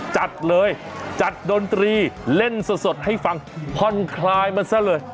จัดเลยจัดดนตรีเล่นสดให้ฟังผ่อนคลายมันซะเลย